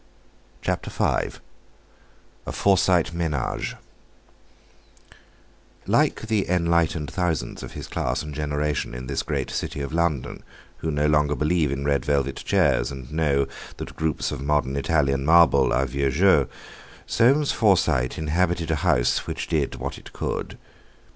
CHAPTER V A FORSYTE MÉNAGE Like the enlightened thousands of his class and generation in this great city of London, who no longer believe in red velvet chairs, and know that groups of modern Italian marble are "vieux jeu," Soames Forsyte inhabited a house which did what it could.